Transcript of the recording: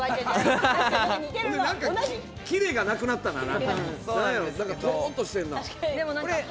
キレイがなくなったな。